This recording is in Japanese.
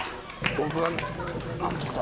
僕はなんとか。